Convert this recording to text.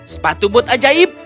sepatu bot ajaib